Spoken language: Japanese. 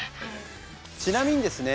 ちなみにですね